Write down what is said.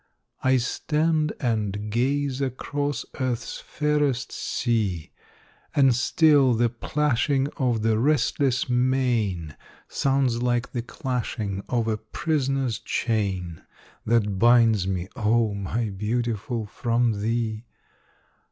I stand and gaze across Earth's fairest sea, And still the plashing of the restless main, Sounds like the clashing of a prisoner's chain, That binds me, oh! my Beautiful, from thee.